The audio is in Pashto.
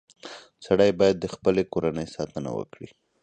• سړی باید د خپلې کورنۍ ساتنه وکړي.